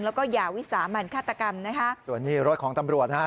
แล้วก็อย่าวิสามันฆาตกรรมนะคะส่วนนี้รถของตำรวจฮะ